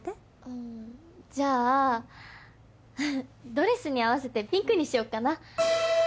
うーんじゃあドレスに合わせてピンクにしよっかな！